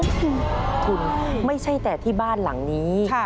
ซึ่งคุณไม่ใช่แต่ที่บ้านหลังนี้